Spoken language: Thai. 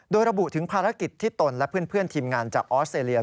โดยระบุถึงภารกิจที่ตนและเพื่อนทีมงานจากออสเตรเลีย